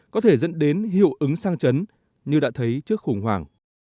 có thể dẫn đến hiệu ứng sang chấn như đã thấy trước khủng hoảng